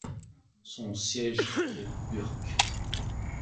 Son siège est Burke.